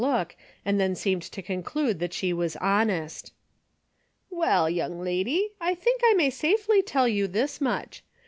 45 look and then seemed to conclude that she was honest. " Well, young lady, I think I may safely tell you this much.